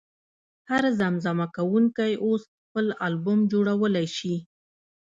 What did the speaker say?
هر زمزمه کوونکی اوس خپل البوم جوړولی شي.